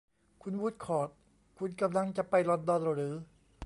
คุณวูดคอร์ต คุณกำลังจะไปลอนดอนหรือ ?